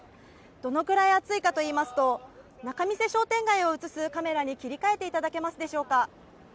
どのくらい暑いかといいますと、仲見世商店街を映すカメラに切り替えていただけますでしょうか。